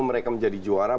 mereka menjadi juara